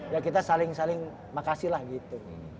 ya kita saling saling makasih lah gitu